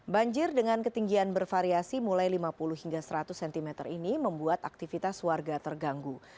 banjir dengan ketinggian bervariasi mulai lima puluh hingga seratus cm ini membuat aktivitas warga terganggu